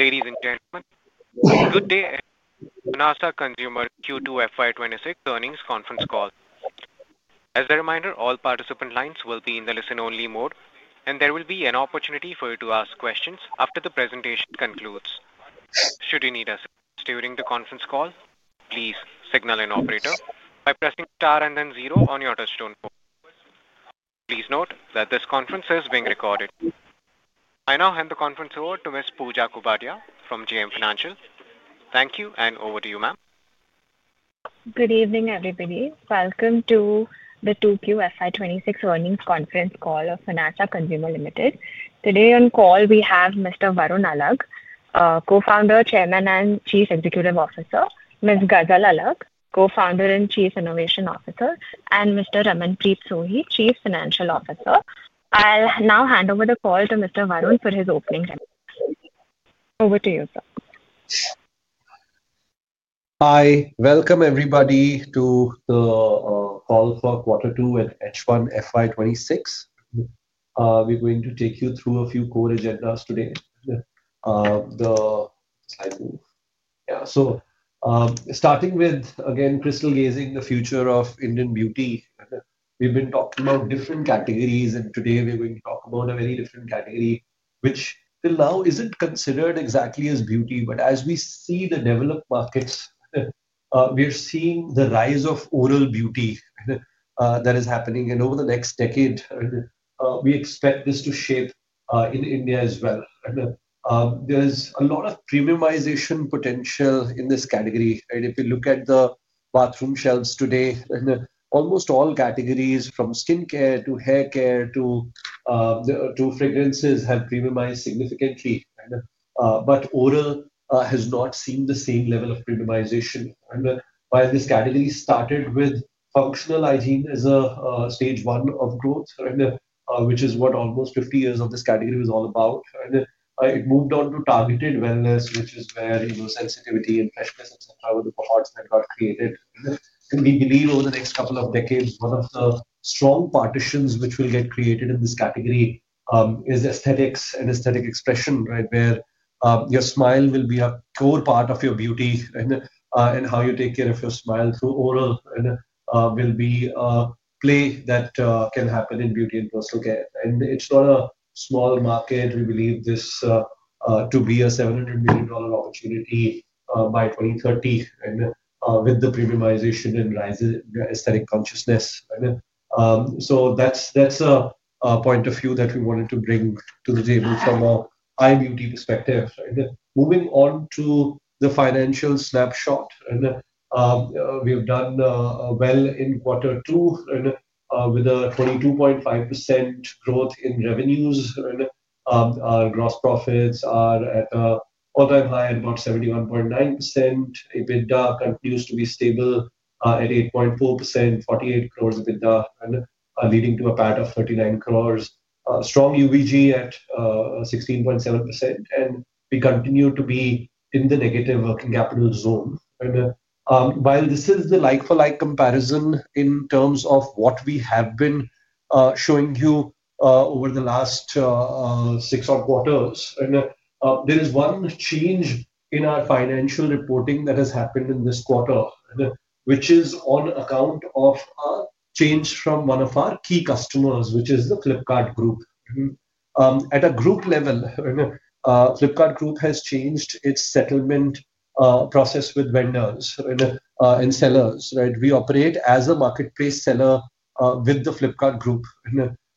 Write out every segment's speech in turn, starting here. Ladies and gentlemen, good day at Honasa Consumer Q2 FY26 earnings conference call. As a reminder, all participant lines will be in the listen-only mode, and there will be an opportunity for you to ask questions after the presentation concludes. Should you need assistance during the conference call, please signal an operator by pressing star and then zero on your touchstone phone. Please note that this conference is being recorded. I now hand the conference over to Ms. Pooja Kubadia from JM Financial. Thank you, and over to you, ma'am. Good evening, everybody. Welcome to the 2Q FY2026 earnings conference call of Honasa Consumer Limited. Today on call, we have Mr. Varun Alagh, Co-founder, Chairman, and Chief Executive Officer; Ms. Ghazal Alagh, Co-founder and Chief Innovation Officer; and Mr. Ramanpreet Sohi, Chief Financial Officer. I'll now hand over the call to Mr. Varun for his opening remarks. Over to you, sir. Hi. Welcome, everybody, to the call for quarter two at H1 FY2026. We're going to take you through a few core agendas today. Yeah, starting with, again, crystal gazing the future of Indian beauty. We've been talking about different categories, and today we're going to talk about a very different category, which till now isn't considered exactly as beauty. As we see the developed markets, we're seeing the rise of oral beauty that is happening. Over the next decade, we expect this to shape in India as well. There's a lot of premiumization potential in this category. If you look at the bathroom shelves today, almost all categories, from skincare to haircare to fragrances, have premiumized significantly. Oral has not seen the same level of premiumization. While this category started with functional hygiene as a stage one of growth, which is what almost 50 years of this category was all about, it moved on to targeted wellness, which is where sensitivity and freshness, etc., were the cohorts that got created. We believe over the next couple of decades, one of the strong partitions which will get created in this category is aesthetics and aesthetic expression, where your smile will be a core part of your beauty and how you take care of your smile through oral will be a play that can happen in beauty and personal care. It is not a small market. We believe this to be a $700 million opportunity by 2030 with the premiumization and rising aesthetic consciousness. That is a point of view that we wanted to bring to the table from a high beauty perspective. Moving on to the financial snapshot, we have done well in quarter two with a 22.5% growth in revenues. Our gross profits are at an all-time high at about 71.9%. EBITDA continues to be stable at 8.4%, 48 crore EBITDA, leading to a PAT of 39 crore. Strong UVG at 16.7%. We continue to be in the negative working capital zone. While this is the like-for-like comparison in terms of what we have been showing you over the last six or quarters, there is one change in our financial reporting that has happened in this quarter, which is on account of a change from one of our key customers, which is the Flipkart Group. At a group level, Flipkart Group has changed its settlement process with vendors and sellers. We operate as a marketplace seller with the Flipkart Group.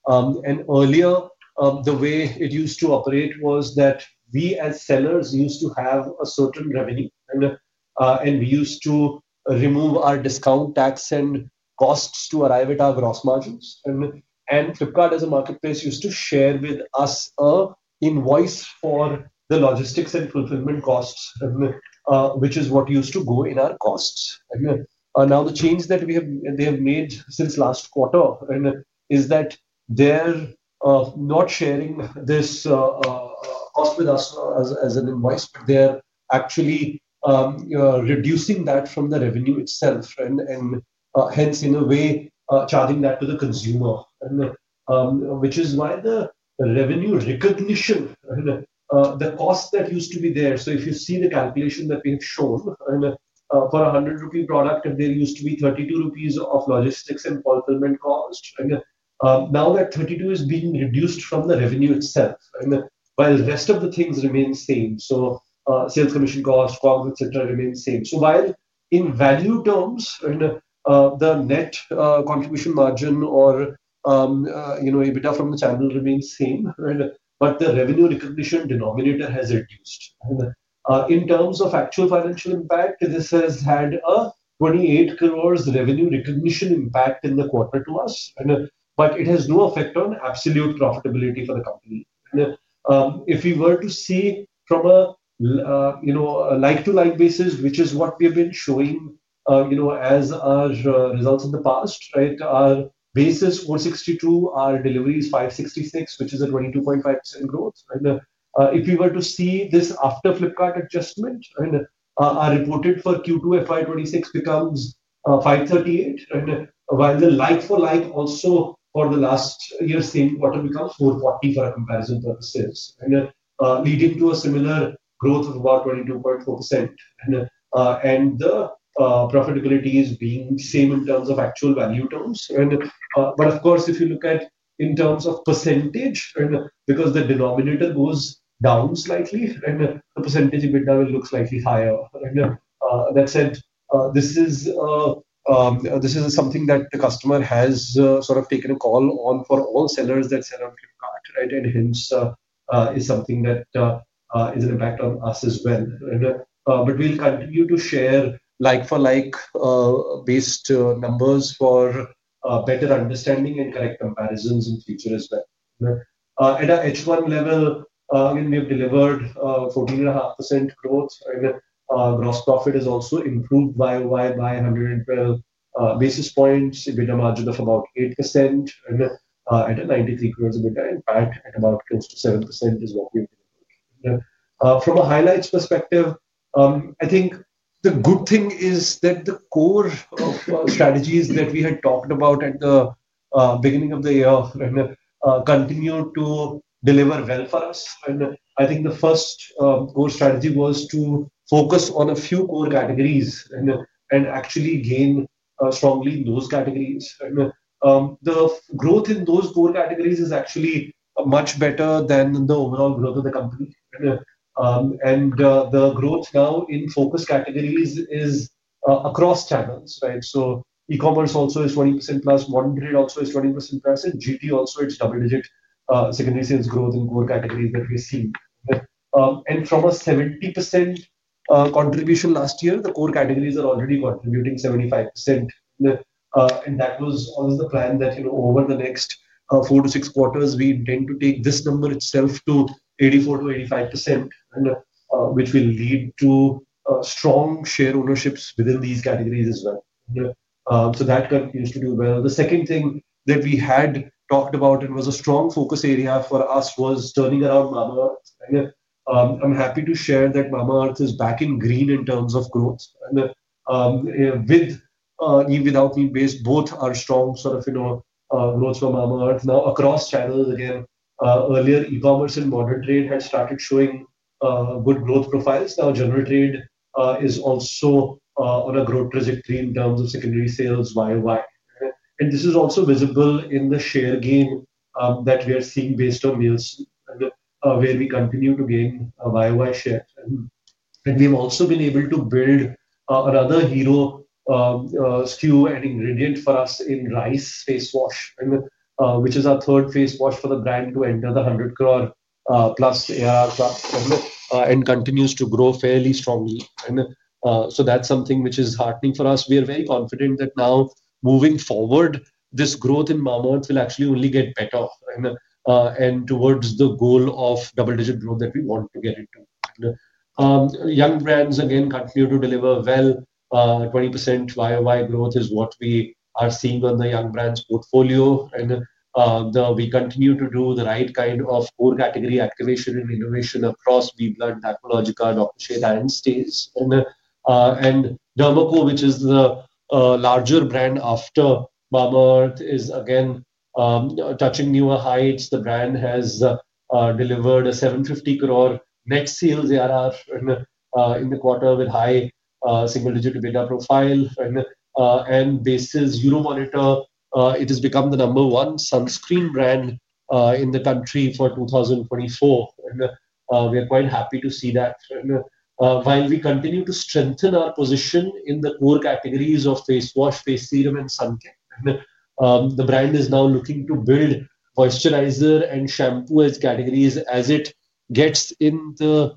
Earlier, the way it used to operate was that we as sellers used to have a certain revenue, and we used to remove our discount, tax, and costs to arrive at our gross margins. Flipkart as a marketplace used to share with us an invoice for the logistics and fulfillment costs, which is what used to go in our costs. Now, the change that they have made since last quarter is that they are not sharing this cost with us as an invoice, but they are actually reducing that from the revenue itself and hence, in a way, charging that to the consumer, which is why the revenue recognition, the cost that used to be there. If you see the calculation that we have shown for a 100 rupee product, there used to be 32 rupees of logistics and fulfillment cost. Now that 32 is being reduced from the revenue itself, while the rest of the things remain same. Sales commission cost, COGS, etc., remain same. While in value terms, the net contribution margin or EBITDA from the channel remains same, the revenue recognition denominator has reduced. In terms of actual financial impact, this has had a 28 crore revenue recognition impact in the quarter to us, but it has no effect on absolute profitability for the company. If we were to see from a like-to-like basis, which is what we have been showing as our results in the past, our basis 462, our deliveries 566, which is a 22.5% growth. If we were to see this after Flipkart adjustment, our reported for Q2 FY2026 becomes 538, while the like-for-like also for the last year's same quarter becomes 440 for comparison purposes, leading to a similar growth of about 22.4%. The profitability is being the same in terms of actual value terms. Of course, if you look at in terms of percentage, because the denominator goes down slightly, the percentage EBITDA will look slightly higher. That said, this is something that the customer has sort of taken a call on for all sellers that sell on Flipkart, and hence is something that is an impact on us as well. We will continue to share like-for-like based numbers for better understanding and correct comparisons in the future as well. At an H1 level, we have delivered 14.5% growth. Gross profit has also improved by 112 basis points, EBITDA margin of about 8%, and 93 crore EBITDA, in fact, at about close to 7% is what we have delivered. From a highlights perspective, I think the good thing is that the core strategies that we had talked about at the beginning of the year continue to deliver well for us. I think the first core strategy was to focus on a few core categories and actually gain strongly in those categories. The growth in those core categories is actually much better than the overall growth of the company. The growth now in focus categories is across channels. E-commerce also is 20%+, modern trade is also 20%+, and GT also its double-digit secondary sales growth in core categories that we've seen. From a 70% contribution last year, the core categories are already contributing 75%. That was always the plan that over the next four to six quarters, we intend to take this number itself to 84%-85%, which will lead to strong share ownerships within these categories as well. That continues to do well. The second thing that we had talked about and was a strong focus area for us was turning around Mamaearth. I'm happy to share that Mamaearth is back in green in terms of growth. With and without being based, both are strong sort of growth for Mamaearth. Now, across channels, again, earlier e-commerce and modern trade had started showing good growth profiles. Now, general trade is also on a growth trajectory in terms of secondary sales year-over-year. This is also visible in the share gain that we are seeing based on Nielsen, where we continue to gain YoY share. We have also been able to build another hero SKU and ingredient for us in Rice Face Wash, which is our third face wash for the brand to enter the 100 crore+ ARR and continues to grow fairly strongly. That is something which is heartening for us. We are very confident that now moving forward, this growth in Mamaearth will actually only get better and towards the goal of double-digit growth that we want to get into. Young brands, again, continue to deliver well. 20% YoY growth is what we are seeing on the young brands portfolio. We continue to do the right kind of core category activation and innovation across BBlunt, Aqualogica, Dr. Sheth's, and Staze. The Derma Co, which is the larger brand after Mamaearth, is again touching newer heights. The brand has delivered a 750 crore net sales ARR in the quarter with high single-digit EBITDA profile. Based on Euromonitor, it has become the number one sunscreen brand in the country for 2024. We are quite happy to see that. While we continue to strengthen our position in the core categories of face wash, face serum, and sun care, the brand is now looking to build moisturizers and shampoos as categories as it gets in the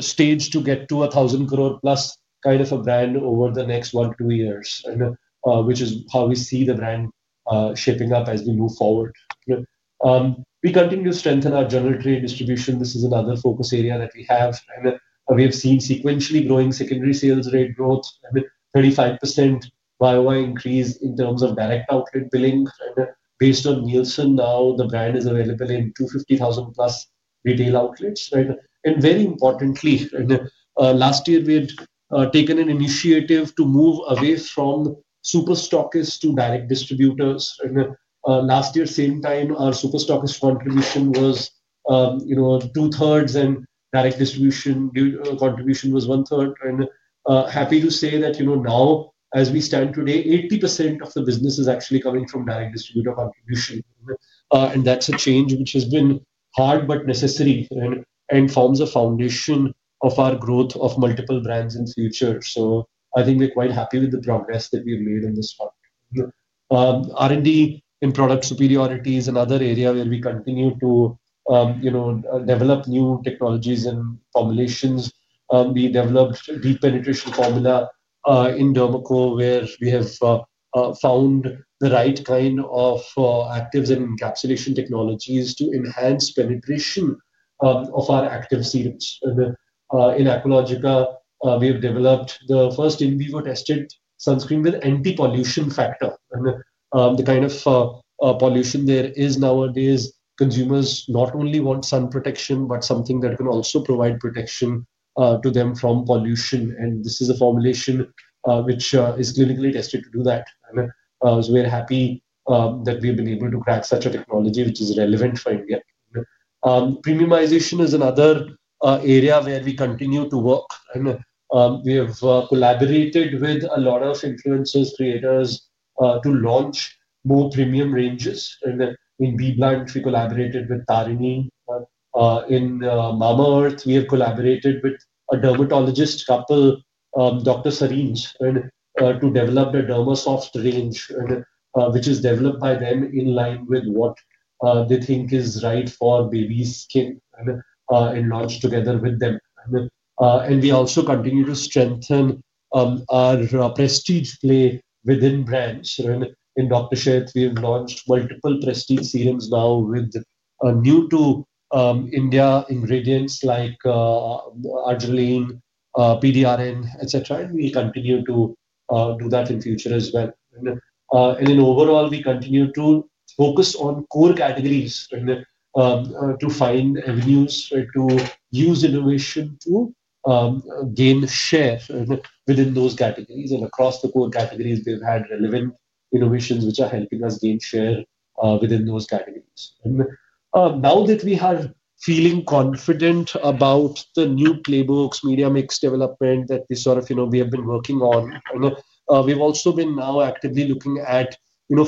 stage to get to a 1,000 crore+ kind of a brand over the next one to two years, which is how we see the brand shaping up as we move forward. We continue to strengthen our general trade distribution. This is another focus area that we have. We have seen sequentially growing secondary sales rate growth, 35% YoY increase in terms of direct outlet billing. Based on Nielsen, now the brand is available in 250,000 plus retail outlets. Very importantly, last year, we had taken an initiative to move away from superstockists to direct distributors. Last year, same time, our superstockist contribution was two-thirds and direct distribution contribution was one-third. Happy to say that now, as we stand today, 80% of the business is actually coming from direct distributor contribution. That is a change which has been hard but necessary and forms a foundation of our growth of multiple brands in the future. I think we're quite happy with the progress that we've made in this market. R&D in product superiority is another area where we continue to develop new technologies and formulations. We developed deep penetration formula in The Derma Co, where we have found the right kind of actives and encapsulation technologies to enhance penetration of our active serums. In Aqualogica, we have developed the first in vivo tested sunscreen with anti-pollution factor. The kind of pollution there is nowadays, consumers not only want sun protection, but something that can also provide protection to them from pollution. This is a formulation which is clinically tested to do that. We are happy that we have been able to crack such a technology, which is relevant for India. Premiumization is another area where we continue to work. We have collaborated with a lot of influencers, creators to launch more premium ranges. In BBlunt, we collaborated with Tarini. In Mamaearth, we have collaborated with a dermatologist couple, Dr. Sarins, to develop a Dermasoft range, which is developed by them in line with what they think is right for baby skin and launched together with them. We also continue to strengthen our prestige play within brands. In Dr. Sheth's, we have launched multiple prestige serums now with new-to-India ingredients like Adrenaline, PDRN, etc. We continue to do that in the future as well. Overall, we continue to focus on core categories to find avenues to use innovation to gain share within those categories. Across the core categories, we've had relevant innovations which are helping us gain share within those categories. Now that we are feeling confident about the new playbooks, media mix development that we have been working on, we've also been now actively looking at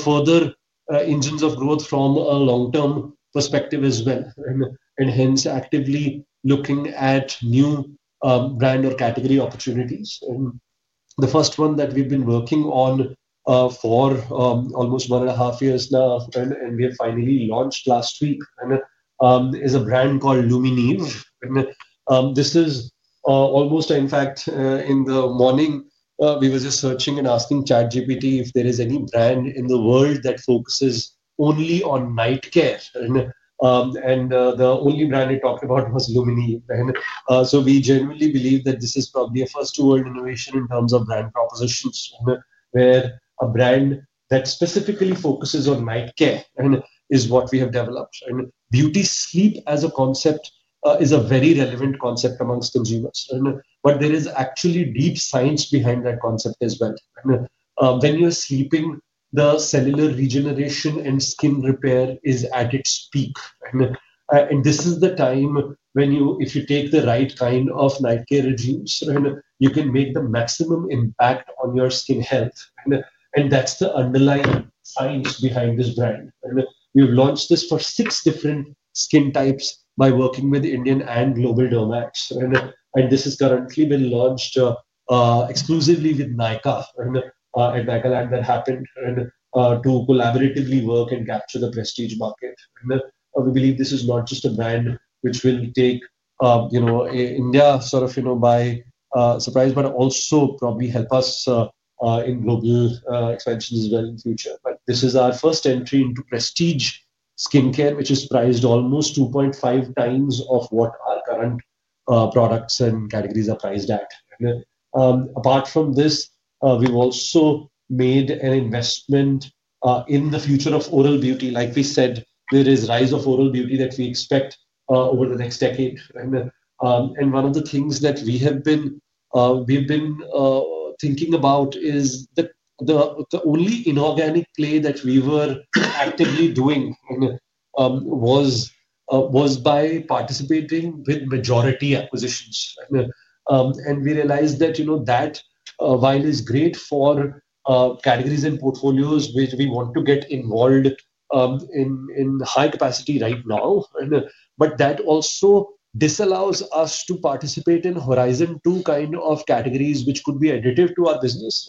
further engines of growth from a long-term perspective as well, and hence actively looking at new brand or category opportunities. The first one that we've been working on for almost one and a half years now, and we have finally launched last week, is a brand called Luminéve This is almost, in fact, in the morning, we were just searching and asking ChatGPT if there is any brand in the world that focuses only on nightcare. The only brand we talked about was Luminéve. We genuinely believe that this is probably a first-world innovation in terms of brand propositions, where a brand that specifically focuses on nightcare is what we have developed. Beauty sleep as a concept is a very relevant concept amongst consumers. There is actually deep science behind that concept as well. When you're sleeping, the cellular regeneration and skin repair is at its peak. This is the time when you, if you take the right kind of nightcare regimes, you can make the maximum impact on your skin health. That's the underlying science behind this brand. We've launched this for six different skin types by working with Indian and global dermacs. This has currently been launched exclusively with Nykaa at NYKAALAND that happened to collaboratively work and capture the prestige market. We believe this is not just a brand which will take India sort of by surprise, but also probably help us in global expansion as well in the future. This is our first entry into prestige skincare, which is priced almost 2.5 times what our current products and categories are priced at. Apart from this, we've also made an investment in the future of oral beauty. Like we said, there is rise of oral beauty that we expect over the next decade. One of the things that we have been thinking about is the only inorganic play that we were actively doing was by participating with majority acquisitions. We realized that while it is great for categories and portfolios which we want to get involved in high capacity right now, that also disallows us to participate in Horizon 2 kind of categories which could be additive to our business,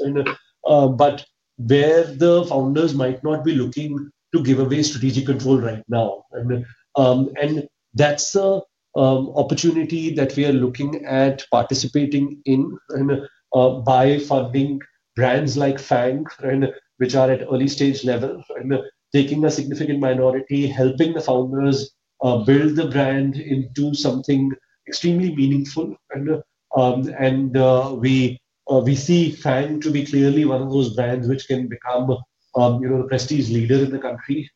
but where the founders might not be looking to give away strategic control right now. That is an opportunity that we are looking at participating in by funding brands like Fang, which are at early stage level, taking a significant minority, helping the founders build the brand into something extremely meaningful. We see Fang to be clearly one of those brands which can become a prestige leader in the country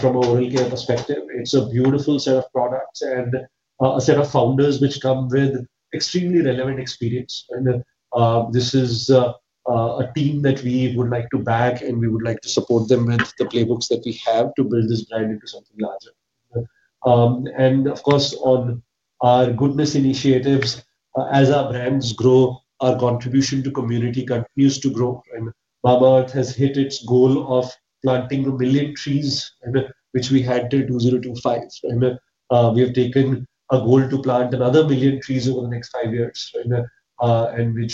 from an oral care perspective. It is a beautiful set of products and a set of founders which come with extremely relevant experience. This is a team that we would like to back, and we would like to support them with the playbooks that we have to build this brand into something larger. Of course, on our goodness initiatives, as our brands grow, our contribution to community continues to grow. Mamaearth has hit its goal of planting a million trees, which we had till 2025. We have taken a goal to plant another million trees over the next five years, and we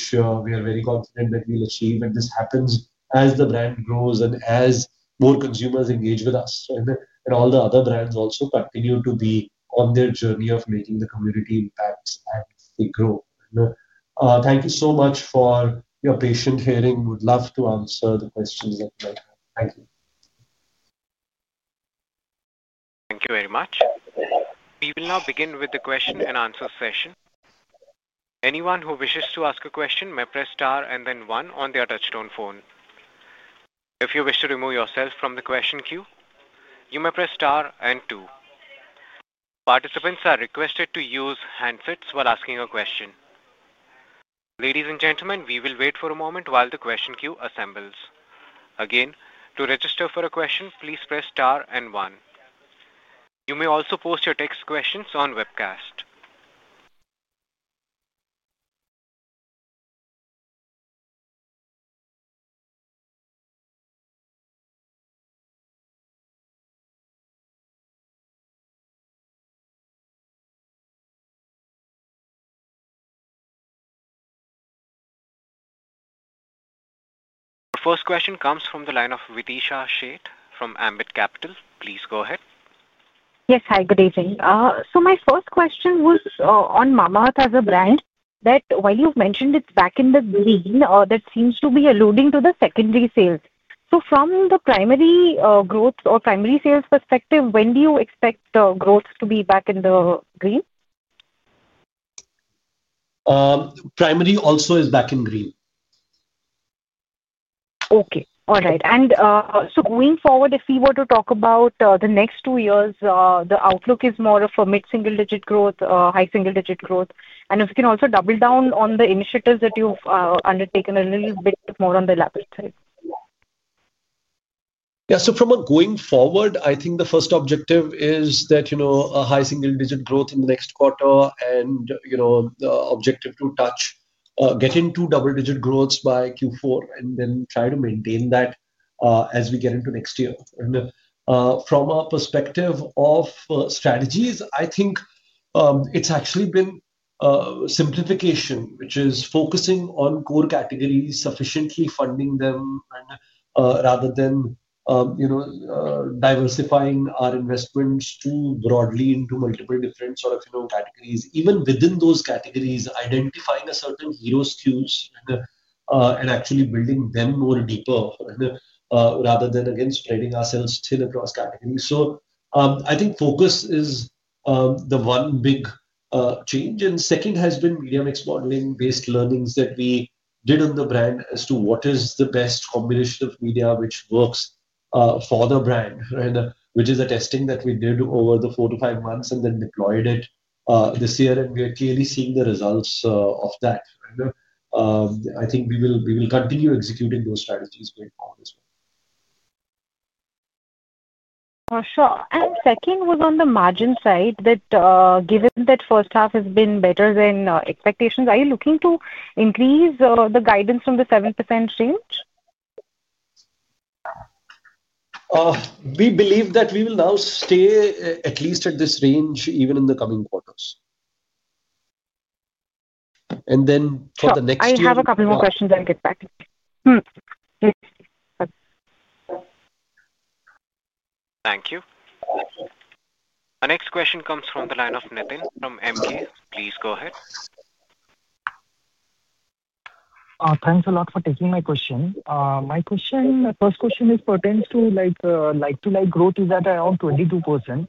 are very confident that we will achieve that. This happens as the brand grows and as more consumers engage with us. All the other brands also continue to be on their journey of making the community impact as they grow. Thank you so much for your patient hearing. We would love to answer the questions that you might have. Thank you. Thank you very much. We will now begin with the question and answer session. Anyone who wishes to ask a question may press star and then one on their touchstone phone. If you wish to remove yourself from the question queue, you may press star and two. Participants are requested to use handsets while asking a question. Ladies and gentlemen, we will wait for a moment while the question queue assembles. Again, to register for a question, please press star and one. You may also post your text questions on Webcast. Our first question comes from the line of Videesha Sheth from Ambit Capital. Please go ahead. Yes, hi, good evening. My first question was on Mamaearth as a brand that while you've mentioned it's back in the green, that seems to be alluding to the secondary sales. From the primary growth or primary sales perspective, when do you expect growth to be back in the green? Primary also is back in green. Okay. All right. Going forward, if we were to talk about the next two years, the outlook is more of a mid-single-digit growth, high single-digit growth. If we can also double down on the initiatives that you've undertaken, a little bit more on the level side. Yeah. From going forward, I think the first objective is that high single-digit growth in the next quarter and the objective to touch, get into double-digit growths by Q4 and then try to maintain that as we get into next year. From our perspective of strategies, I think it's actually been simplification, which is focusing on core categories, sufficiently funding them rather than diversifying our investments too broadly into multiple different sort of categories. Even within those categories, identifying certain hero SKUs and actually building them more deeper rather than, again, spreading ourselves thin across categories. I think focus is the one big change. Second has been media mix modeling-based learnings that we did on the brand as to what is the best combination of media which works for the brand, which is a testing that we did over the four to five months and then deployed it this year. We are clearly seeing the results of that. I think we will continue executing those strategies going forward as well. For sure. Second was on the margin side that given that first half has been better than expectations, are you looking to increase the guidance from the 7% range? We believe that we will now stay at least at this range even in the coming quarters and then for the next year. I have a couple more questions. I'll get back to you. Thank you. Our next question comes from the line of Nitin from MK. Please go ahead. Thanks a lot for taking my question. My first question pertains to like-to-like growth is at around 22%.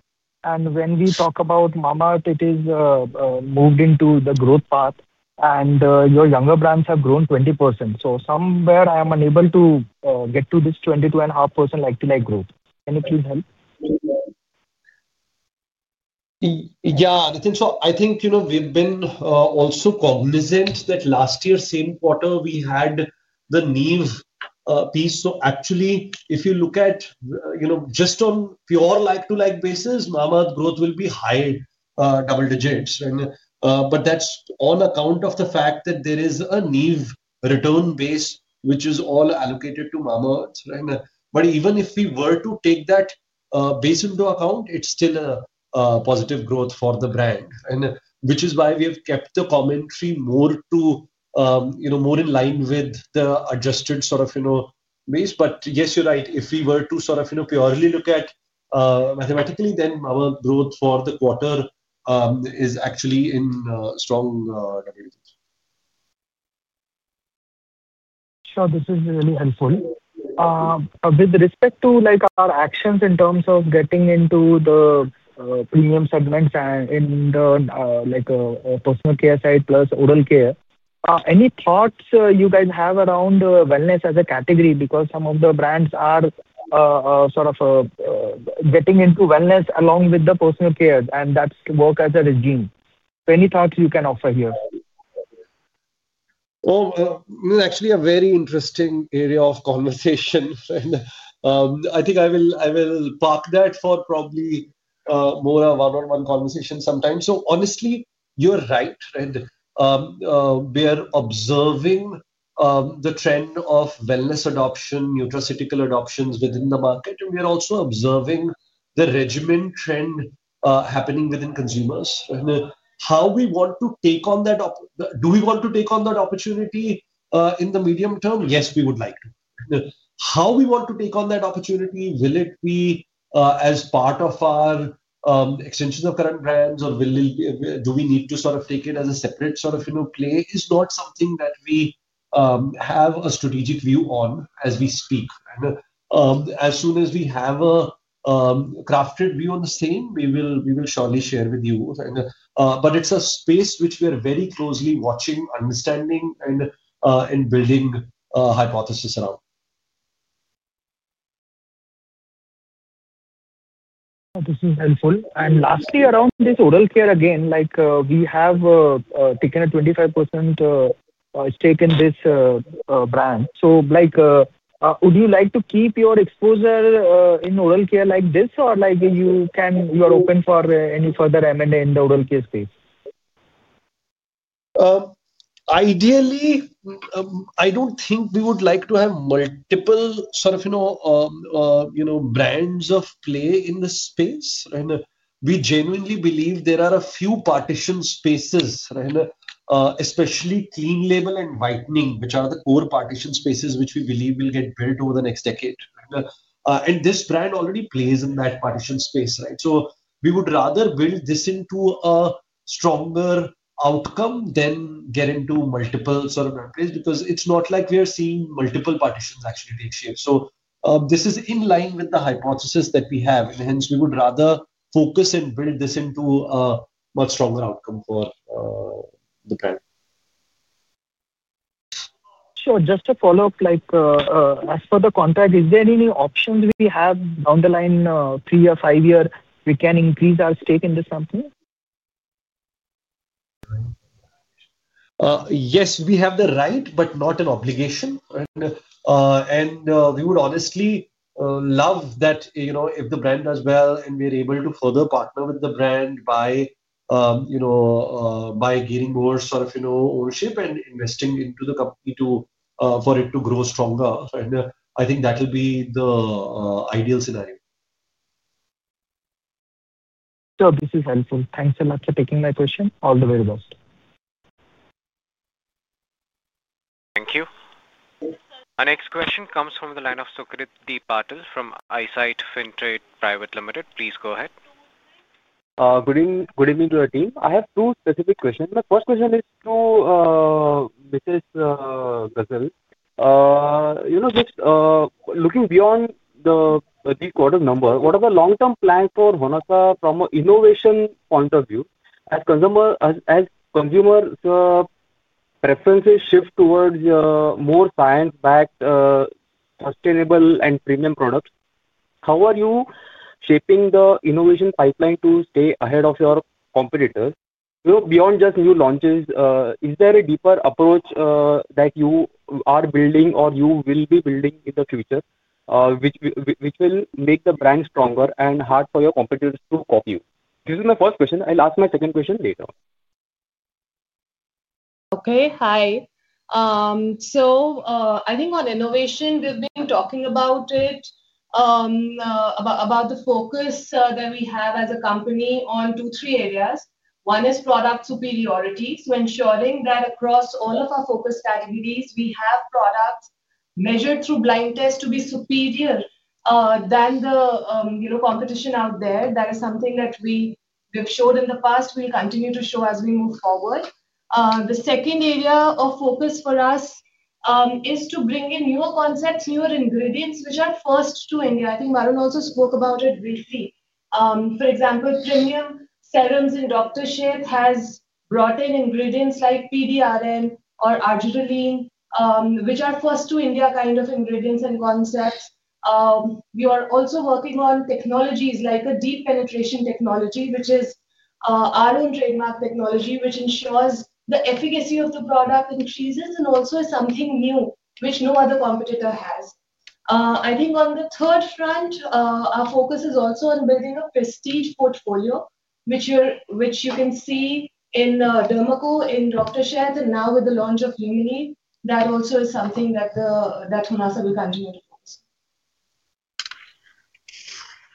When we talk about Mamaearth, it is moved into the growth path. Your younger brands have grown 20%. Somewhere I am unable to get to this 22.5% like-to-like growth. Can you please help? Yeah. Nitin, so I think we've been also cognizant that last year, same quarter, we had the Neev piece. Actually, if you look at just on pure like-to-like basis, Mamaearth's growth will be high double digits. That is on account of the fact that there is a Neev return base which is all allocated to Mamaearth. Even if we were to take that base into account, it's still a positive growth for the brand, which is why we have kept the commentary more in line with the adjusted sort of base. Yes, you're right. If we were to sort of purely look at mathematically, then our growth for the quarter is actually in strong. Sure. This is really helpful. With respect to our actions in terms of getting into the premium segments in the personal care side plus oral care, any thoughts you guys have around wellness as a category? Because some of the brands are sort of getting into wellness along with the personal care and that work as a regime. Any thoughts you can offer here? Actually, a very interesting area of conversation. I think I will park that for probably more of a one-on-one conversation sometime. Honestly, you're right. We are observing the trend of wellness adoption, nutraceutical adoptions within the market. We are also observing the regimen trend happening within consumers. How we want to take on that? Do we want to take on that opportunity in the medium term? Yes, we would like to. How we want to take on that opportunity, will it be as part of our extensions of current brands, or do we need to sort of take it as a separate sort of play? Is not something that we have a strategic view on as we speak. As soon as we have a crafted view on the same, we will surely share with you. It is a space which we are very closely watching, understanding, and building hypotheses around. This is helpful. Lastly, around this oral care again, we have taken a 25% stake in this brand. Would you like to keep your exposure in oral care like this, or are you open for any further M&A in the oral care space? Ideally, I don't think we would like to have multiple sort of brands of play in the space. We genuinely believe there are a few partition spaces, especially clean label and whitening, which are the core partition spaces which we believe will get built over the next decade. This brand already plays in that partition space. We would rather build this into a stronger outcome than get into multiple sort of brand plays because it's not like we are seeing multiple partitions actually take shape. This is in line with the hypothesis that we have. Hence, we would rather focus and build this into a much stronger outcome for the brand. Sure. Just to follow up, as for the contract, is there any option we have down the line three or five years we can increase our stake in this company? Yes, we have the right, but not an obligation. We would honestly love that if the brand does well and we are able to further partner with the brand by gaining more sort of ownership and investing into the company for it to grow stronger. I think that will be the ideal scenario. Sure. This is helpful. Thanks a lot for taking my question. All the very best. Thank you. Our next question comes from the line of Sucrit D. Patil from Eyesight Fintrade Private Limited. Please go ahead. Good evening to the team. I have two specific questions. My first question is to Mrs. Ghazal. Just looking beyond the quarter number, what are the long-term plans for Honasa from an innovation point of view? As consumers' preferences shift towards more science-backed, sustainable, and premium products, how are you shaping the innovation pipeline to stay ahead of your competitors? Beyond just new launches, is there a deeper approach that you are building or you will be building in the future which will make the brand stronger and hard for your competitors to copy you? This is my first question. I'll ask my second question later. Okay. Hi. I think on innovation, we've been talking about the focus that we have as a company on two, three areas. One is product superiority. Ensuring that across all of our focus categories, we have products measured through blind tests to be superior than the competition out there. That is something that we have showed in the past, we'll continue to show as we move forward. The second area of focus for us is to bring in newer concepts, newer ingredients, which are first to India. I think Varun also spoke about it briefly. For example, premium serums in Dr. Sheth's has brought in ingredients like PDRN or Argireline, which are first-to-India kind of ingredients and concepts. We are also working on technologies like a deep penetration technology, which is our own trademark technology, which ensures the efficacy of the product increases and also is something new, which no other competitor has. I think on the third front, our focus is also on building a prestige portfolio, which you can see in The Derma Co, in Dr. Sheth's, and now with the launch of Luminéve. That also is something that Honasa will continue to focus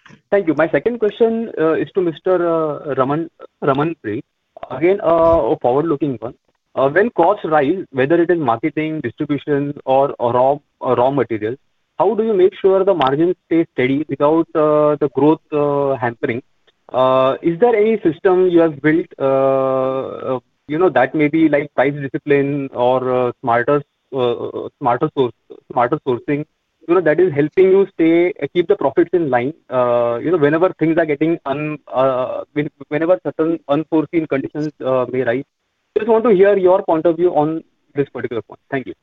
on. Thank you. My second question is to Mr. Ramanpreet. Again, a forward-looking one. When costs rise, whether it is marketing, distribution, or raw materials, how do you make sure the margins stay steady without the growth hampering? Is there any system you have built that may be like price discipline or smarter sourcing that is helping you keep the profits in line whenever things are getting unforeseen conditions may arise? Just want to hear your point of view on this particular point. Thank you.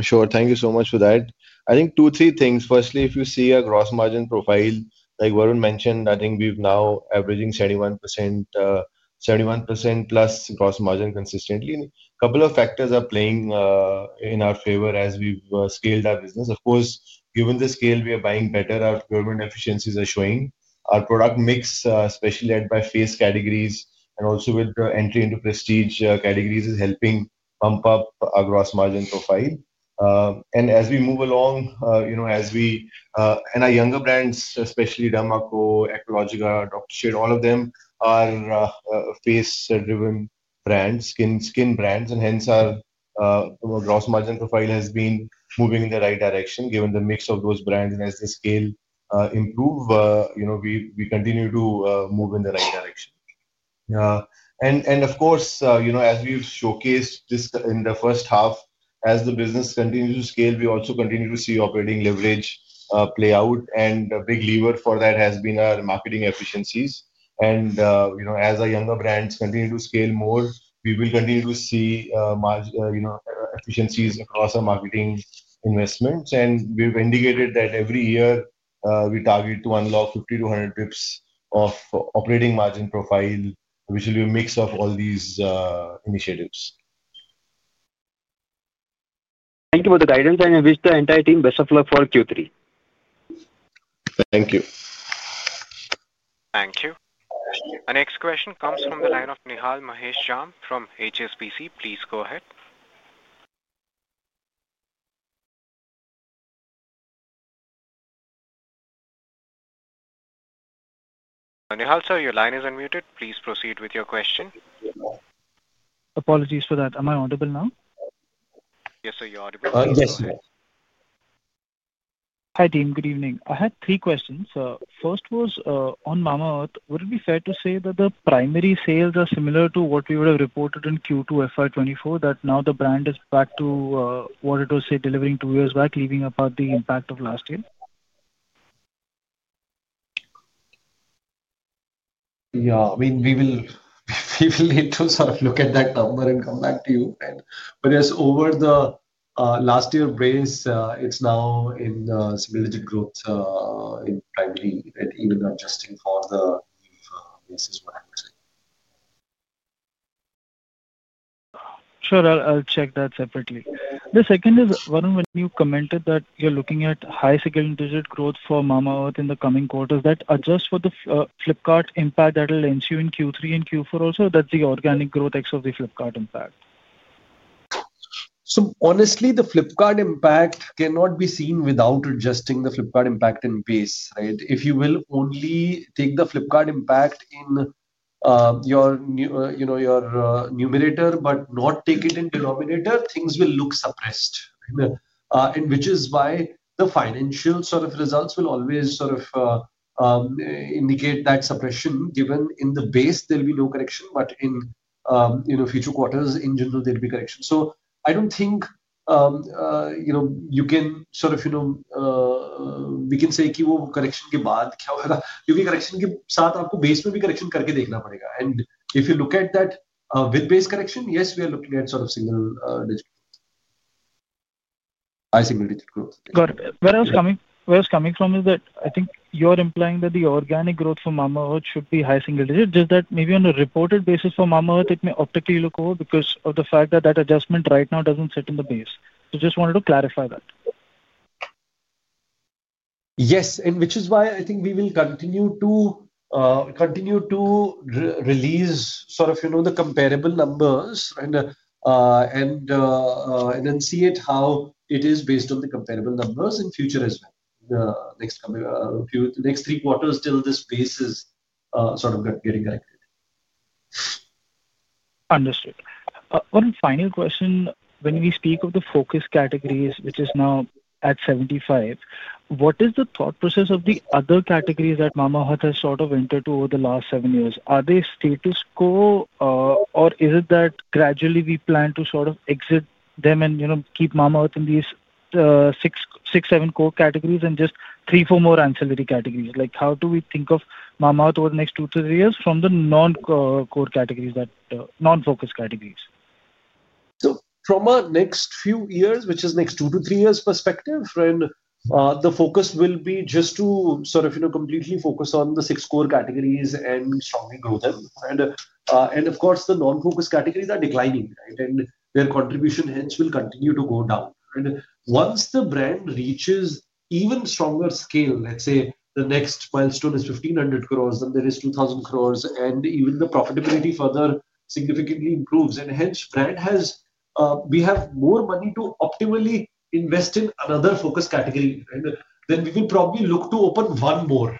Sure. Thank you so much for that. I think two, three things. Firstly, if you see a gross margin profile, like Varun mentioned, I think we have now averaging 71% plus gross margin consistently. A couple of factors are playing in our favor as we have scaled our business. Of course, given the scale, we are buying better. Our government efficiencies are showing. Our product mix, especially led by face categories and also with entry into prestige categories, is helping pump up our gross margin profile. As we move along, as we and our younger brands, especially The Derma Co, Aqualogica, Dr. Sheth's, all of them are face-driven brands, skin brands. Hence, our gross margin profile has been moving in the right direction given the mix of those brands. As the scale improves, we continue to move in the right direction. Of course, as we've showcased in the first half, as the business continues to scale, we also continue to see operating leverage play out. A big lever for that has been our marketing efficiencies. As our younger brands continue to scale more, we will continue to see efficiencies across our marketing investments. We've indicated that every year, we target to unlock 50-100 bps of operating margin profile, which will be a mix of all these initiatives. Thank you for the guidance. I wish the entire team best of luck for Q3. Thank you. Thank you. Our next question comes from the line of Nihal Mahesh Jham from HSBC. Please go ahead. Nihal, sir, your line is unmuted. Please proceed with your question. Apologies for that. Am I audible now? Yes, sir, you're audible. Yes, yes. Hi, team. Good evening. I had three questions. First was on Mamaearth, would it be fair to say that the primary sales are similar to what we would have reported in Q2 2024, that now the brand is back to what it was delivering two years back, leaving apart the impact of last year? Yeah. I mean, we will need to sort of look at that number and come back to you. Yes, over the last year base, it's now in the single-digit growth in primary and even adjusting for the basis one. Sure. I'll check that separately. The second is, Varun, when you commented that you're looking at high-second digit growth for Mamaearth in the coming quarters, that adjusts for the Flipkart impact that will ensue in Q3 and Q4 also, or that's the organic growth ex of the Flipkart impact? Honestly, the Flipkart impact cannot be seen without adjusting the Flipkart impact in base. If you only take the Flipkart impact in your numerator but not take it in denominator, things will look suppressed, which is why the financial sort of results will always sort of indicate that suppression. Given in the base, there will be no correction, but in future quarters, in general, there will be correction. I do not think you can sort of, we can say correction के बाद क्या होगा, क्योंकि correction के साथ आपको base में भी correction करके देखना पड़ेगा. If you look at that with base correction, yes, we are looking at sort of single digit growth. Got it. Where I was coming from is that I think you're implying that the organic growth for Mamaearth should be high single digit, just that maybe on a reported basis for Mamaearth, it may optically look lower because of the fact that that adjustment right now doesn't sit in the base. So just wanted to clarify that. Yes. Which is why I think we will continue to release sort of the comparable numbers and enunciate how it is based on the comparable numbers in future as well. The next three quarters till this base is sort of getting corrected. Understood. One final question. When we speak of the focus categories, which is now at 75, what is the thought process of the other categories that Mamaearth has sort of entered into over the last seven years? Are they status quo, or is it that gradually we plan to sort of exit them and keep Mamaearth in these six, seven core categories and just three, four more ancillary categories? How do we think of Mamaearth over the next two to three years from the non-core categories, non-focus categories? From our next few years, which is next two to three years perspective, the focus will be just to sort of completely focus on the six core categories and strongly grow them. Of course, the non-focus categories are declining, and their contribution hence will continue to go down. Once the brand reaches even stronger scale, let's say the next milestone is 1,500 crore, then there is 2,000 crore, and even the profitability further significantly improves. Hence, as the brand has more money to optimally invest in another focus category, then we will probably look to open one more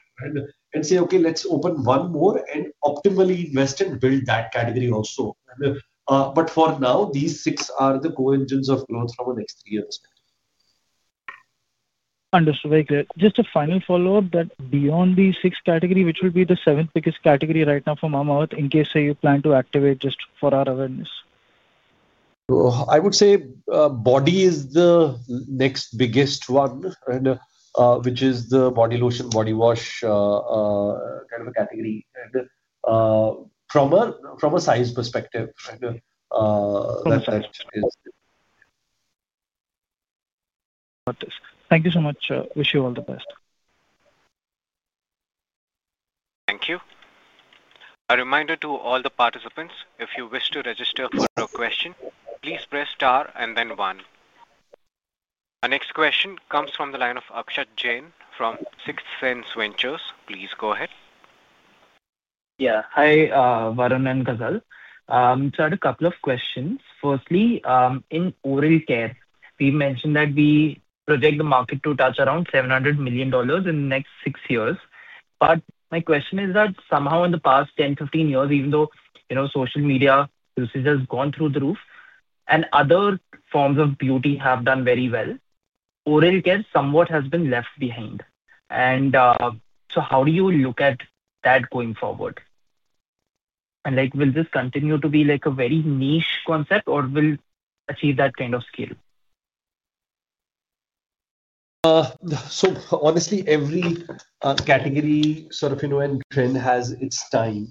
and say, "Okay, let's open one more and optimally invest and build that category also." For now, these six are the core engines of growth from a next three years perspective. Understood. Very good. Just a final follow-up that beyond the six category, which will be the seventh biggest category right now for Mamaearth, in case you plan to activate just for our awareness? I would say body is the next biggest one, which is the body lotion, body wash kind of a category. From a size perspective, that's it. Got it. Thank you so much. Wish you all the best. Thank you. A reminder to all the participants, if you wish to register for a question, please press star and then one. Our next question comes from the line of Akshat Jain from Sixth Sense Ventures. Please go ahead. Yeah. Hi, Varun and Ghazal. I'm just going to add a couple of questions. Firstly, in oral care, we mentioned that we project the market to touch around $700 million in the next six years. My question is that somehow in the past 10, 15 years, even though social media usage has gone through the roof and other forms of beauty have done very well, oral care somewhat has been left behind. How do you look at that going forward? Will this continue to be a very niche concept, or will it achieve that kind of scale? Honestly, every category sort of and trend has its time.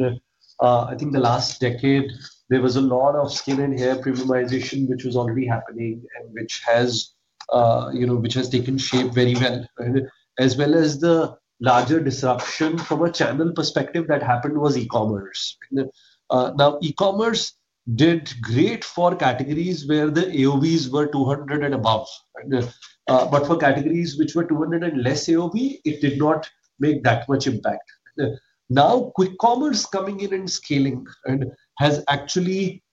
I think the last decade, there was a lot of skin and hair premiumization, which was already happening and which has taken shape very well. As well as the larger disruption from a channel perspective that happened was e-commerce. Now, e-commerce did great for categories where the AOVs were 200 and above. For categories which were 200 and less AOV, it did not make that much impact. Now, quick commerce coming in and scaling has actually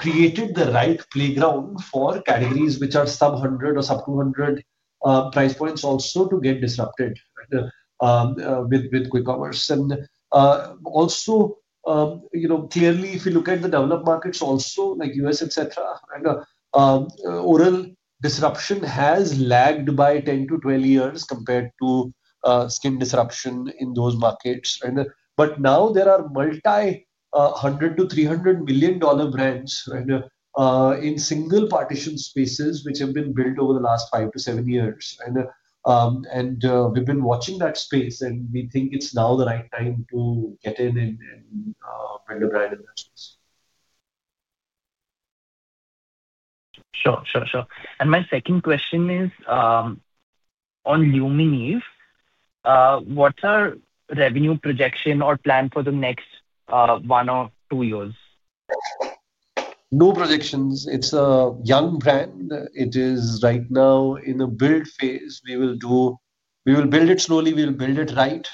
created the right playground for categories which are sub-100 or sub-200 price points also to get disrupted with quick commerce. Also, clearly, if you look at the developed markets also, like the U.S., etc., oral disruption has lagged by 10-20 years compared to skin disruption in those markets. Now there are multi-$100 million-$300 million brands in single partition spaces which have been built over the last five to seven years. We have been watching that space, and we think it is now the right time to get in and bring a brand in that space. Sure, sure, sure. My second question is on Luminéve, what are revenue projections or plans for the next one or two years? No projections. It's a young brand. It is right now in a build phase. We will build it slowly. We will build it right.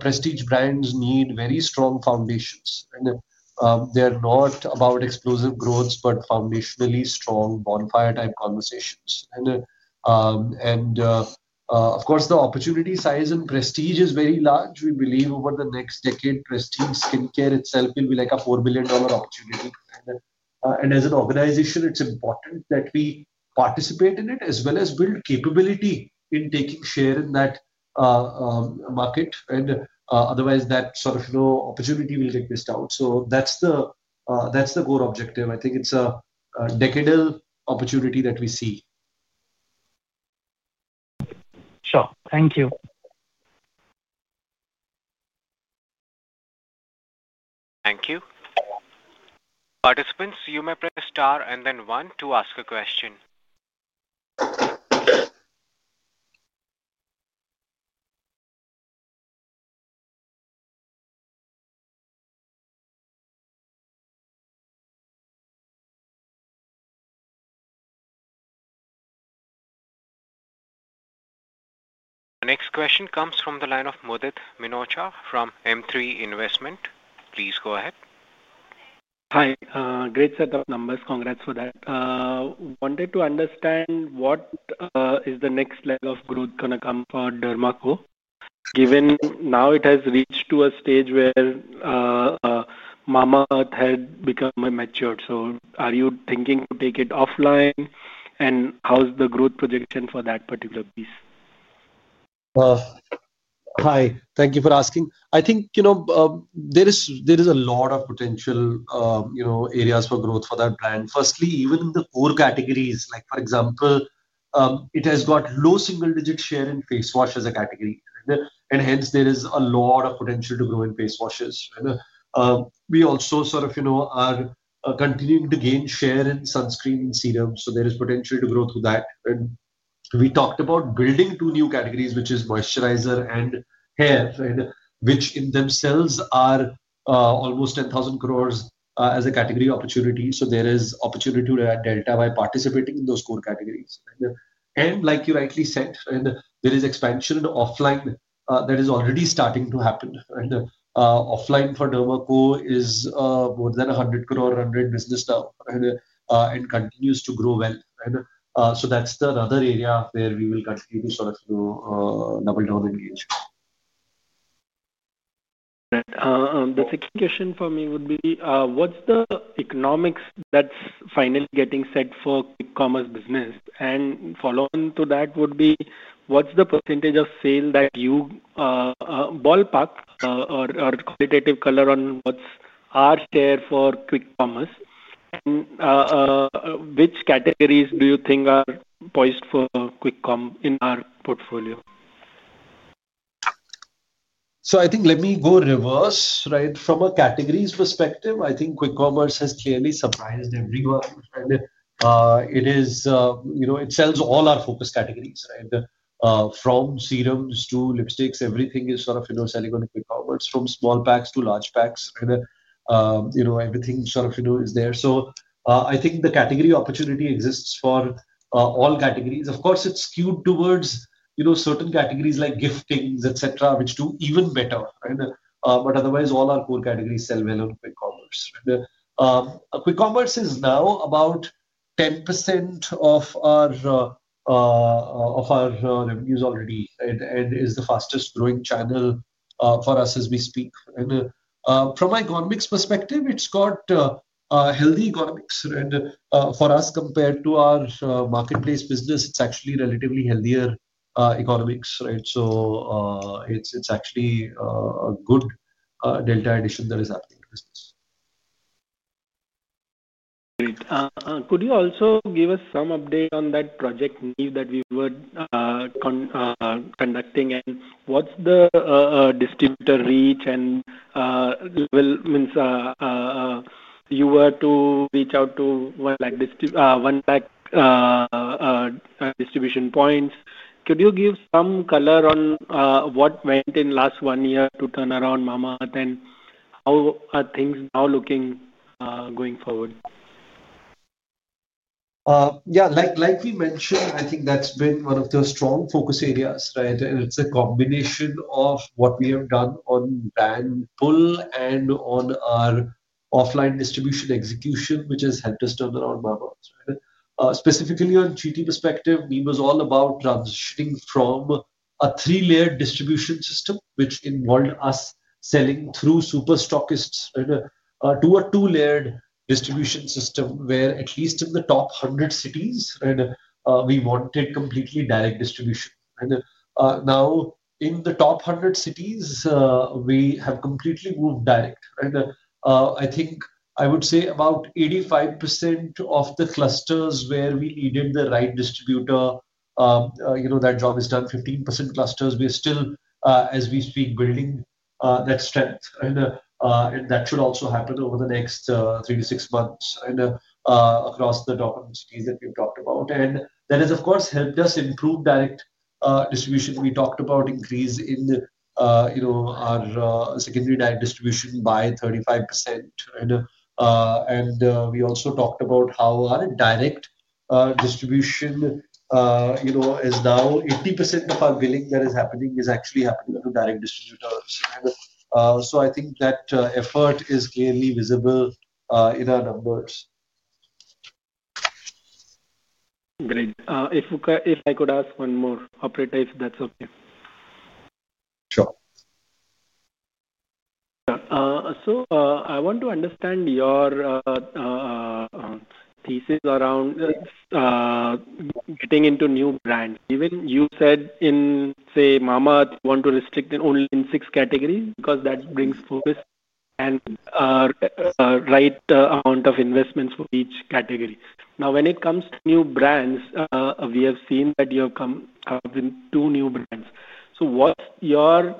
Prestige brands need very strong foundations. They're not about explosive growth, but foundationally strong bonfire-type conversations. Of course, the opportunity size in prestige is very large. We believe over the next decade, prestige skincare itself will be like a $4 billion opportunity. As an organization, it's important that we participate in it as well as build capability in taking share in that market. Otherwise, that sort of opportunity will get missed out. That's the core objective. I think it's a decadal opportunity that we see. Sure. Thank you. Thank you. Participants, you may press star and then one to ask a question. Our next question comes from the line of Mudit Minocha from M3 Investment. Please go ahead. Hi. Great set of numbers. Congrats for that. Wanted to understand what is the next leg of growth going to come for The Derma Co, given now it has reached to a stage where Mamaearth had become matured. Are you thinking to take it offline? How's the growth projection for that particular piece? Hi. Thank you for asking. I think there is a lot of potential areas for growth for that brand. Firstly, even in the core categories, for example, it has got low single-digit share in face wash as a category. There is a lot of potential to grow in face washes. We also sort of are continuing to gain share in sunscreen and serums. There is potential to grow through that. We talked about building two new categories, which are moisturizers and hair, which in themselves are almost 10,000 crore as a category opportunity. There is opportunity to add delta by participating in those core categories. Like you rightly said, there is expansion in offline that is already starting to happen. Offline for The Derma Co is more than 100 crore business now and continues to grow well. That's the other area where we will continue to sort of double down engagement. Got it. The second question for me would be, what's the economics that's finally getting set for quick commerce business? Following to that would be, what's the percentage of sale that you ballpark or qualitative color on what's our share for quick commerce? Which categories do you think are poised for quick com in our portfolio? I think let me go reverse. From a categories perspective, I think quick commerce has clearly surprised everyone. It sells all our focus categories from serums to lipsticks. Everything is sort of selling on quick commerce from small packs to large packs. Everything sort of is there. I think the category opportunity exists for all categories. Of course, it's skewed towards certain categories like giftings, etc., which do even better. Otherwise, all our core categories sell well on quick commerce. Quick commerce is now about 10% of our revenues already and is the fastest growing channel for us as we speak. From an economics perspective, it's got healthy economics. For us, compared to our marketplace business, it's actually relatively healthier economics. It's actually a good Delta addition that is happening to business. Great. Could you also give us some update on that project that we were conducting? What's the distributor reach? I mean, you were to reach out to one lakh distribution points. Could you give some color on what went in last one year to turn around Mamaearth? How are things now looking going forward? Yeah. Like we mentioned, I think that's been one of the strong focus areas. It's a combination of what we have done on brand pull and on our offline distribution execution, which has helped us turn around Mamaearth. Specifically on GT perspective, it was all about transitioning from a three-layer distribution system, which involved us selling through super stockists to a two-layered distribution system where at least in the top 100 cities, we wanted completely direct distribution. Now in the top 100 cities, we have completely moved direct. I think I would say about 85% of the clusters where we needed the right distributor, that job is done, 15% clusters, we are still, as we speak, building that strength. That should also happen over the next three to six months across the top of the cities that we've talked about. That has, of course, helped us improve direct distribution. We talked about increase in our secondary direct distribution by 35%. We also talked about how our direct distribution is now 80% of our billing that is happening is actually happening through direct distributors. I think that effort is clearly visible in our numbers. Great. If I could ask one more, Operator, if that's okay. Sure. I want to understand your thesis around getting into new brands. Even you said in, say, Mamaearth, you want to restrict it only in six categories because that brings focus and the right amount of investments for each category. Now, when it comes to new brands, we have seen that you have come up with two new brands. What's your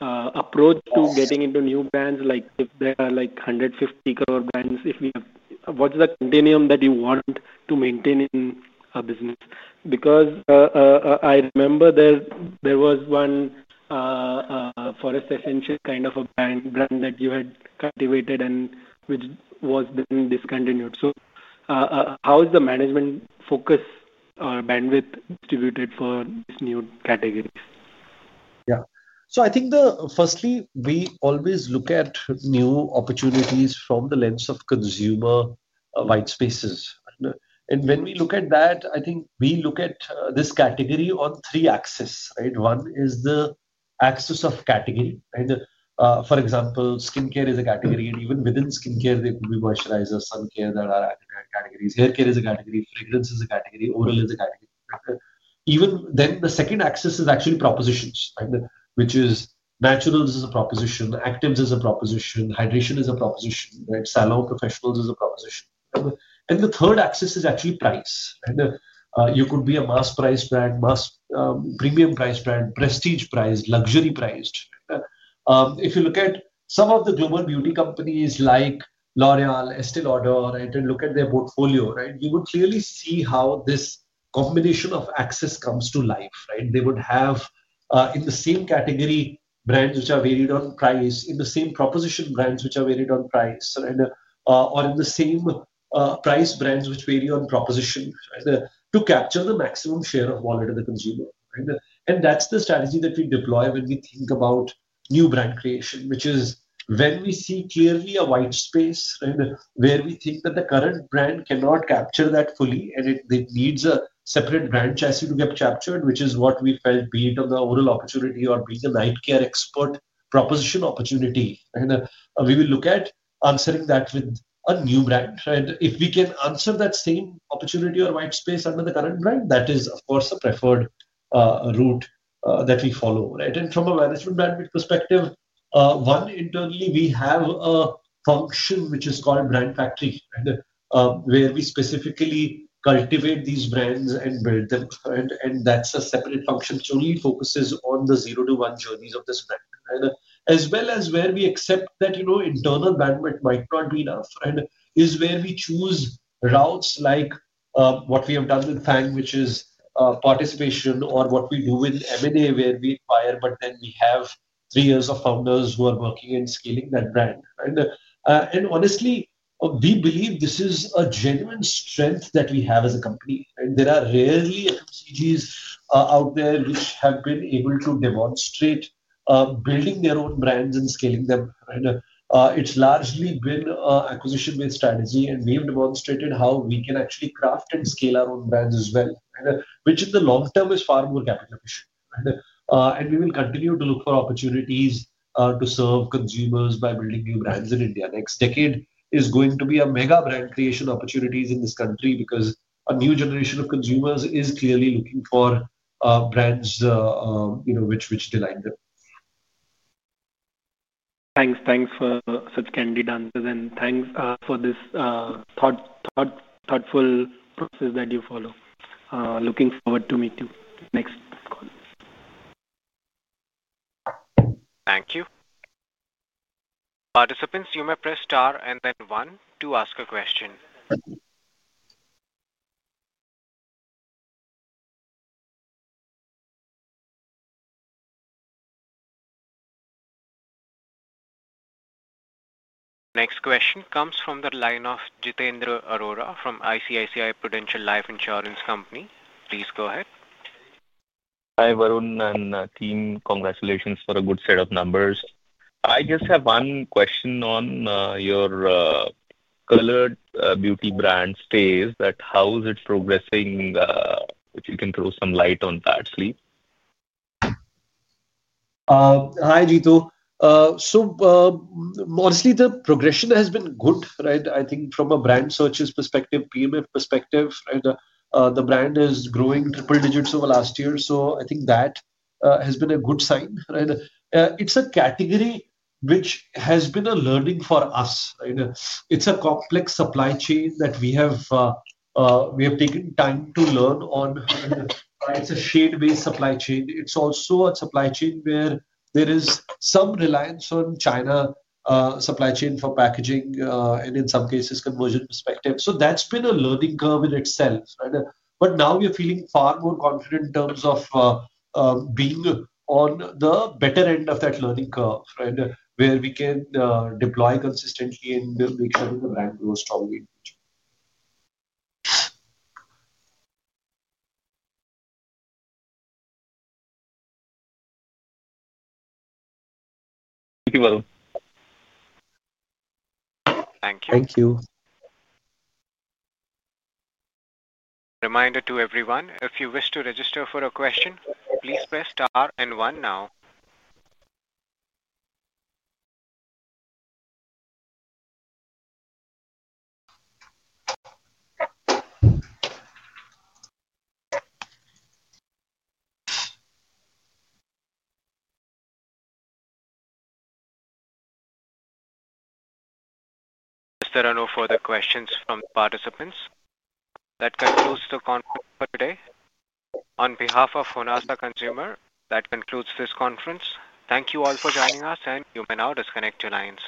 approach to getting into new brands? If there are 150 crore brands, what's the continuum that you want to maintain in a business? I remember there was one Forest Essentials kind of a brand that you had cultivated and which was then discontinued. How is the management focus or bandwidth distributed for these new categories? Yeah. I think firstly, we always look at new opportunities from the lens of consumer white spaces. When we look at that, I think we look at this category on three axes. One is the axis of category. For example, skincare is a category. Even within skincare, there could be moisturizers, sun care that are categories. Hair care is a category. Fragrance is a category. Oral is a category. The second axis is actually propositions, which is naturals is a proposition, actives is a proposition, hydration is a proposition, salon professionals is a proposition. The third axis is actually price. You could be a mass price brand, mass premium price brand, prestige priced, luxury priced. If you look at some of the global beauty companies like L'Oréal, Estée Lauder, and look at their portfolio, you would clearly see how this combination of axis comes to life. They would have in the same category brands which are varied on price, in the same proposition brands which are varied on price, or in the same price brands which vary on proposition to capture the maximum share of wallet of the consumer. That is the strategy that we deploy when we think about new brand creation, which is when we see clearly a white space where we think that the current brand cannot capture that fully and it needs a separate brand chassis to get captured, which is what we felt being on the oral opportunity or being a nightcare expert proposition opportunity. We will look at answering that with a new brand. If we can answer that same opportunity or white space under the current brand, that is, of course, a preferred route that we follow. From a management bandwidth perspective, one, internally, we have a function which is called brand factory where we specifically cultivate these brands and build them. That is a separate function which only focuses on the zero to one journeys of this brand. As well as where we accept that internal bandwidth might not be enough and is where we choose routes like what we have done with Fang, which is participation, or what we do with M&A where we acquire, but then we have three years of founders who are working in scaling that brand. Honestly, we believe this is a genuine strength that we have as a company. There are rarely FMCGs out there which have been able to demonstrate building their own brands and scaling them. It has largely been an acquisition-based strategy, and we have demonstrated how we can actually craft and scale our own brands as well, which in the long term is far more capital efficient. We will continue to look for opportunities to serve consumers by building new brands in India. Next decade is going to be a mega brand creation opportunity in this country because a new generation of consumers is clearly looking for brands which delight them. Thanks. Thanks for such candid answers. Thanks for this thoughtful process that you follow. Looking forward to meeting next call. Thank you. Participants, you may press star and then one to ask a question. Next question comes from the line of Jitendra Arora from ICICI Prudential Life Insurance Company. Please go ahead. Hi, Varun and team. Congratulations for a good set of numbers. I just have one question on your colored beauty brand, Staze, that how is it progressing, which you can throw some light on that, please? Hi, Jitu. So honestly, the progression has been good. I think from a brand searches perspective, PMF perspective, the brand is growing triple digits over last year. I think that has been a good sign. It's a category which has been a learning for us. It's a complex supply chain that we have taken time to learn on. It's a shade-based supply chain. It's also a supply chain where there is some reliance on China supply chain for packaging and in some cases conversion perspective. That's been a learning curve in itself. Now we are feeling far more confident in terms of being on the better end of that learning curve where we can deploy consistently and make sure that the brand grows strongly. Thank you, Varun. Thank you. Thank you. Reminder to everyone, if you wish to register for a question, please press star and one now. If there are no further questions from participants, that concludes the conference for today. On behalf of Honasa Consumer, that concludes this conference. Thank you all for joining us, and you may now disconnect your lines.